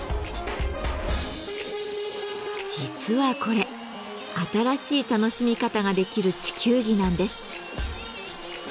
実はこれ新しい楽しみ方ができる地球儀なんです。